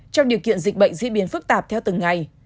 trong điều kiện dịch bệnh diễn biến phức tạp theo từng ngày